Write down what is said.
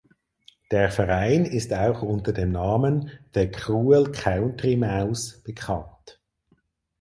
Der Verein ist auch unter dem Namen "The Cruel Country Mouse" bekannt.